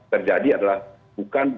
terjadi adalah bukan